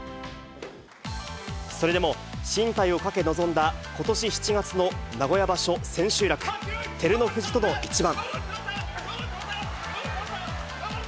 それでも進退をかけ臨んだことし７月の名古屋場所千秋楽、照ノ富士との一番。